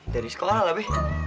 dari sekolah lah be